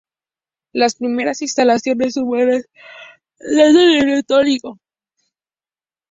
Las primeras instalaciones humanas datan del neolítico.